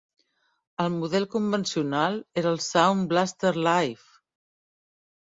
El model convencional era el Sound Blaster Live!